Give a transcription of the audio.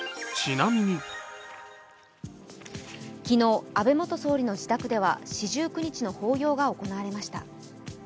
昨日、安倍元総理の自宅では四十九日の法要が行われました。